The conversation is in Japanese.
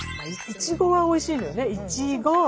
イチゴはおいしいのよね。